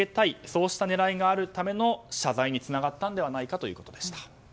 そうした狙いがあるための謝罪につながったのではないかということでした。